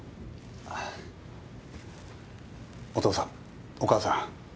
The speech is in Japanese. お父さんお母さん